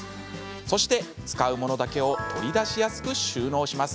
そして、使うものだけを取り出しやすく収納します。